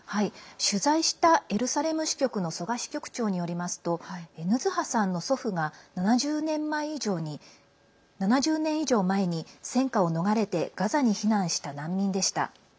取材したエルサレム支局の曽我支局長によりますとヌズハさんの祖父が７０年以上前に戦火を逃れてガザに避難した難民でした。